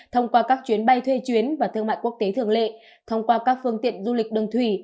thông qua các chuyến bay thuê chuyến và thương mại quốc tế thường lệ thông qua các phương tiện du lịch đường thủy